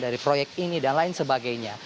dari proyek ini dan lain sebagainya